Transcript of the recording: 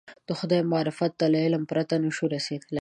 د خدای معرفت ته له علم پرته نه شو رسېدلی.